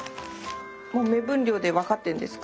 もう目分量で分かってるんですか？